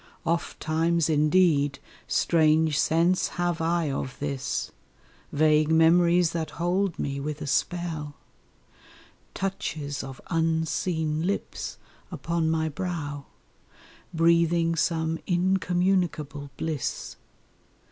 Ofttimes indeed strange sense have I of this, Vague memories that hold me with a spell, Touches of unseen lips upon my brow, Breathing some incommunicable bliss!